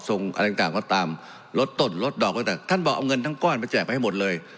ส่งอลังกากก็ตามลดต่นลดดอกลดต่างท่านบอกเอาเงินทั้งก้อนมาแจกไปให้หมดเลย